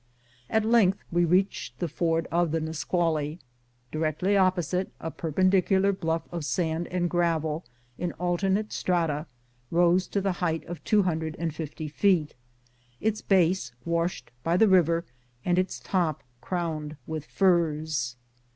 At length we reached the ford of the Nisqually. Directly opposite, a perpen dicular bluff of sand and gravel in alternate strata rose to the height of two hundred and fifty feet, its base washed by the river and its top crowned with firs.